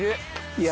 いや。